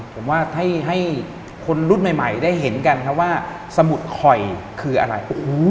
ผมว่าให้คนรุ่นใหม่ได้เห็นกันครับว่าสมุดคอยคืออะไร